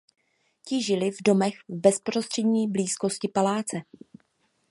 Ti žili v domech v bezprostřední blízkosti paláce.